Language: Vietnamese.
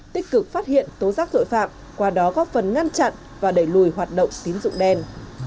tích cực phát hiện tố giác tội phạm qua đó góp phần ngăn chặn và đẩy lùi hoạt động tín dụng đen